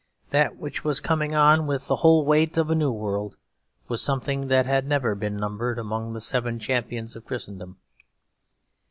That which was coming on, with the whole weight of a new world, was something that had never been numbered among the Seven Champions of Christendom.